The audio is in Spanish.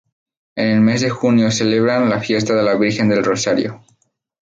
En el mes de junio celebran la fiesta de la Virgen del Rosario.